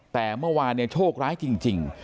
แต่เมื่อวานเนี่ยโชคร้ายจริง